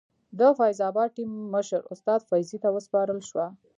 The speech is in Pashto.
د فیض اباد ټیم مشر استاد فیضي ته وسپارل شوه.